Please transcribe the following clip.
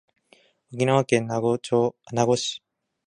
沖縄県名護市